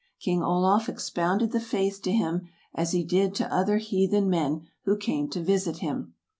King Olaf expounded the faith to him, as he did to other heathen men who came to visit him.